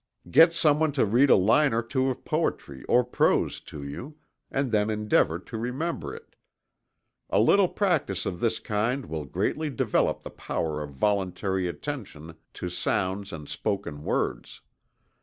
Get some one to read a line or two of poetry or prose to you, and then endeavor to remember it. A little practice of this kind will greatly develop the power of voluntary attention to sounds and spoken words.